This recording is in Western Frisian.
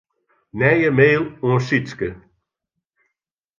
Nije mail oan Sytske.